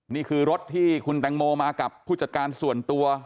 นี่คือรถที่คุณแตงโมมากับผู้จัดการส่วนตัว